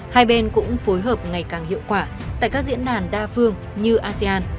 hai bên cũng phối hợp ngày càng hiệu quả tại các diễn đàn đa phương như asean